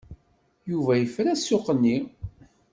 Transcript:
Yuba yefra ssuq-nni.